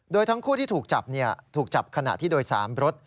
โดยทั้งคู่ที่ถูกจับถูกจับขณะที่โดย๓รถ